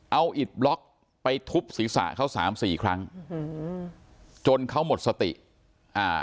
เอาอิดบล็อกไปทุบศีรษะเขาสามสี่ครั้งอืมจนเขาหมดสติอ่า